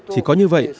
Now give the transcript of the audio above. chỉ có như vậy